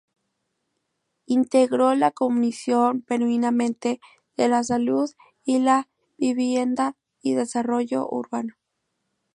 Integró la Comisión Permanente de Salud, y la de Vivienda y Desarrollo Urbano.